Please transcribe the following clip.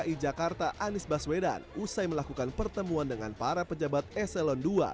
dki jakarta anies baswedan usai melakukan pertemuan dengan para pejabat eselon ii